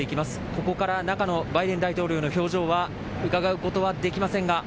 ここから中のバイデン大統領の表情は伺うことはできませんが。